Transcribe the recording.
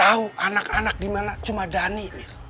tahu anak anak dimana cuma dhani nih